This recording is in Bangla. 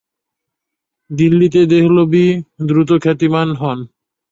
দিল্লিতে দেহলভী দ্রুত খ্যাতিমান হন।